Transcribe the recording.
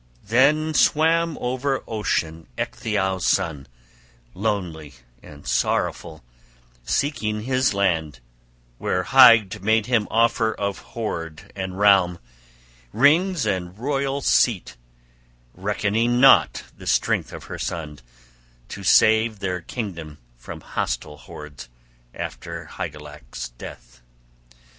Then swam over ocean Ecgtheow's son lonely and sorrowful, seeking his land, where Hygd made him offer of hoard and realm, rings and royal seat, reckoning naught the strength of her son to save their kingdom from hostile hordes, after Hygelac's death.